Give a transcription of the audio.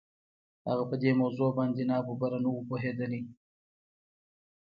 هغه په دې موضوع باندې ناببره نه و پوهېدلی.